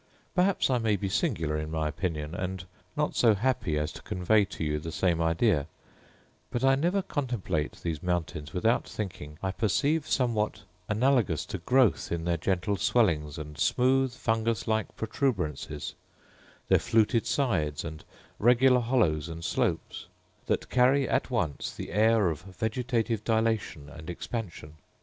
Perhaps I may be singular in my opinion, and not so happy as to convey to you the same idea, but I never contemplate these mountains without thinking I perceive somewhat analogous to growth in their gentle swellings and smooch fungus like protuberances, their fluted sides, and regular hollows and slopes, that carry at once the air of vegetative dilation and expansion….